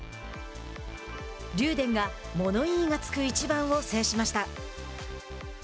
竜電が物言いがつく一番を制しました。